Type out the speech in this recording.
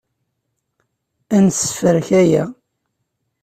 Ad nessefrek aya.